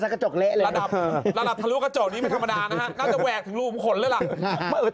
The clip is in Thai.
ราดับทะลุกระจกนี้ไม่ธรรมดานะฮะน่าจะแวกถึงรูปของคนเลยล่ะ